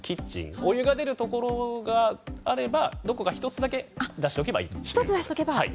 お湯が出るところがあればどこか１つだけ出しておけばいいと。